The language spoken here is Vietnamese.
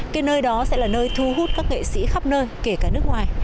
cái nơi đó sẽ là nơi thu hút các nghệ sĩ khắp nơi kể cả nước ngoài